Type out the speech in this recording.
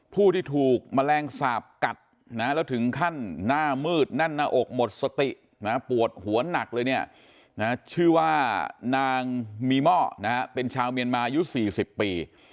ผู้ที่ถูกแมลงสาปกัดแล้วถึงขั้นหน้ามืดแน่นหน้าอกหมดสตินะปวดหัวหนักเลยเนี่ยชื่อว่านางมีหม้อเป็นชาวเมียนมายุ๔๐ปี